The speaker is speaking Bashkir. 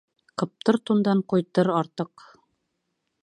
Ҡыптыр тундан ҡуйтыр артыҡ.